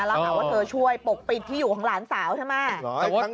แล้วหาว่าเธอช่วยปกปิดที่อยู่ของหลานสาวใช่ไหม